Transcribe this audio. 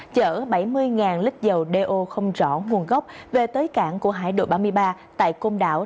chở bảy mươi lít dầu do không rõ nguồn gốc về tới cảng của hải đội ba mươi ba tại côn đảo